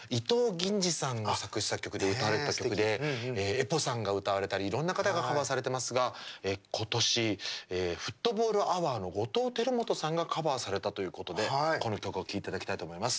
ＥＰＯさんが歌われたりいろんな方がカバーされてますが今年フットボールアワーの後藤輝基さんがカバーされたということでこの曲を聴いていただきたいと思います。